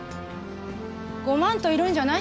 ごまんといるんじゃない？